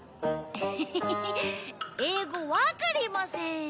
エヘヘヘヘ英語わかりません。